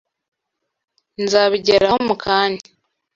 Nzabigeraho mu kanya.